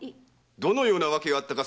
どのような訳があったか